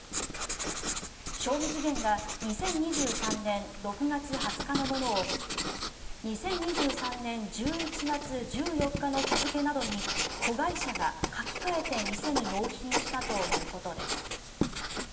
賞味期限が２０２３年６月２０日のものを２０２３年１１月１４日の日付などに子会社が書き換えて店に納品したということです。